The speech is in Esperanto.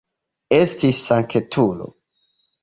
Esti sanktulo!